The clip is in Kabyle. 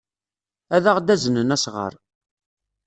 Ad aɣ-d-aznen asɣar.